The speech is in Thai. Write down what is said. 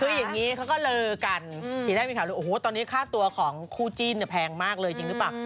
คืออย่างนี้เขาก็เลอกันทีแรกมีข่าวเลยโอ้โหตอนนี้ค่าตัวของคู่จิ้นแพงมากเลยจริงหรือเปล่า